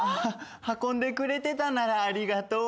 運んでくれてたならありがとう。